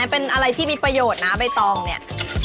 เป็นอะไรที่มีประโยชน์นะใบตองเนี่ย